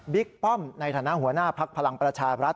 บิ๊กป้อมในฐานะหัวหน้าพักพลังประชารัฐ